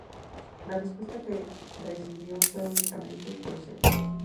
La respuesta que recibió fue únicamente "proceda".